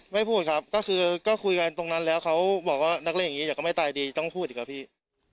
พูดครับก็คือก็คุยกันตรงนั้นแล้วเขาบอกว่านักเล่นอย่างนี้เดี๋ยวก็ไม่ตายดีต้องพูดอีกครับพี่